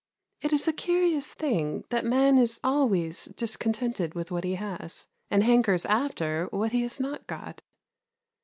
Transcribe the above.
It is a curious thing that man is always discontented with what he has, and hankers after what he has not got.